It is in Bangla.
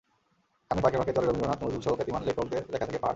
গানের ফাঁকে ফাঁকে চলে রবীন্দ্রনাথ, নজরুলসহ খ্যাতিমান লেখকদের লেখা থেকে পাঠ।